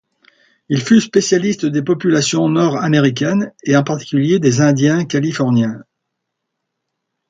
Il fut spécialiste des populations nord-américaines et en particulier des Indiens californiens.